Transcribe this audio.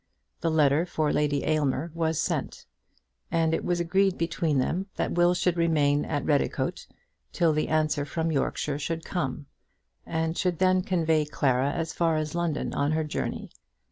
The letter for Lady Aylmer was sent, and it was agreed between them that Will should remain at Redicote till the answer from Yorkshire should come, and should then convey Clara as far as London on her journey.